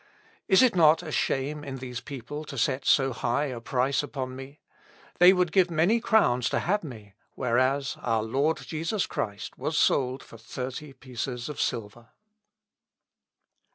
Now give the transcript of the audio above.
Is it not a shame in these people to set so high a price upon me? They would give many crowns to have me; whereas, our Lord Jesus Christ was sold for thirty pieces of silver."